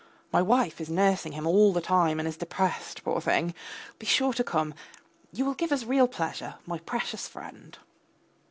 My wife is nursing him all the time, and is depressed, poor thing. Be sure to come, you will give us real pleasure, my precious friend.